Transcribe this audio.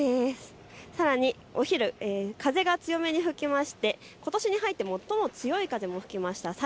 さらにお昼、風が強めに吹きまして、ことしに入って最も強い風が吹きました。